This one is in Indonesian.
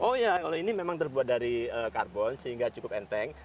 oh ya kalau ini memang terbuat dari karbon sehingga cukup enteng